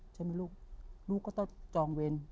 ใช่ไหมลูกลูกก็ต้องจองเวร